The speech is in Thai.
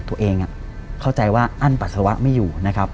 ตัวเองเข้าใจว่าอั้นปัสสาวะไม่อยู่นะครับ